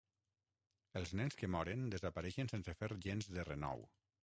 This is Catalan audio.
Els nens que moren desapareixen sense fer gens de renou.